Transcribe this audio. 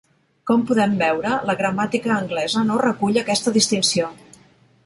Com podem veure, la gramàtica anglesa no recull aquesta distinció.